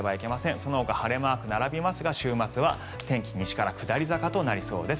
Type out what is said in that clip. そのほか晴れマークが並びますが週末は西から下り坂となりそうです。